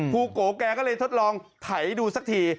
ครูโกะแกก็เลยทดลองถ่ายดูสักที